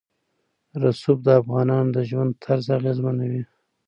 رسوب د افغانانو د ژوند طرز اغېزمنوي.